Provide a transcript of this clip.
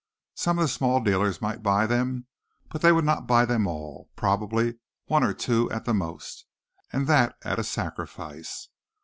Some of the small dealers might buy them but they would not buy them all probably one or two at the most, and that at a sacrifice.